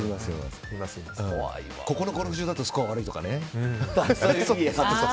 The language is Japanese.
ここの芝だとスコアが悪いとかね。